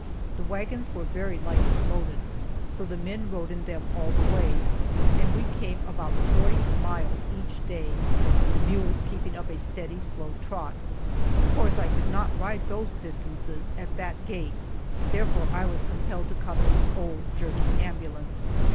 The wagons were very lightly loaded, so the men rode in them all the way, and we came about forty miles each day, the mules keeping up a steady slow trot. Of course I could not ride those distances at that gait, therefore I was compelled to come in the old, jerky ambulance.